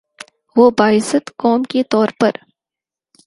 وہ باعزت قوم کے طور پہ